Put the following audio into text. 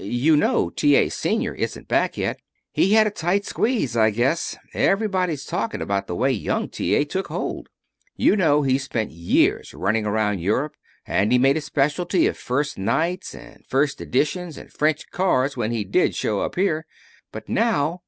You know T. A. Senior isn't back yet. He had a tight squeeze, I guess. Everybody's talking about the way young T. A. took hold. You know he spent years running around Europe, and he made a specialty of first nights, and first editions, and French cars when he did show up here. But now!